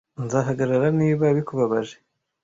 (nzahagarara niba bikubabaje)